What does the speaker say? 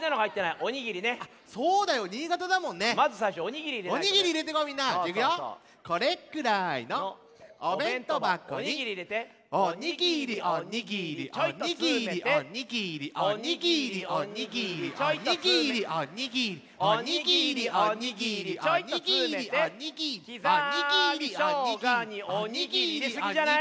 おにぎりいれすぎじゃない？